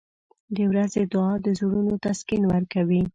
• د ورځې دعا د زړونو تسکین ورکوي.